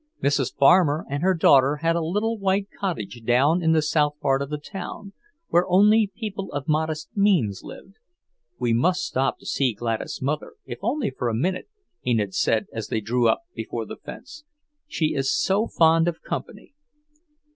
Mrs. Farmer and her daughter had a little white cottage down in the south part of the town, where only people of modest means lived. "We must stop to see Gladys' mother, if only for a minute," Enid said as they drew up before the fence. "She is so fond of company."